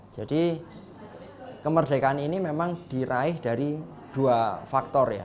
jadi kemerdekaan ini memang diraih dari dua faktor ya